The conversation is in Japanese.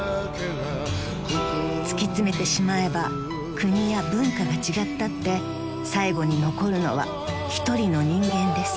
［突き詰めてしまえば国や文化が違ったって最後に残るのは一人の人間です］